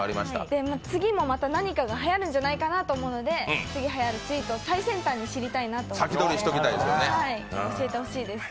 次もまた、何かがはやるんじゃないかなと思うので、次にはやるスイーツの最先端に知りたいなと思って、教えてほしいです。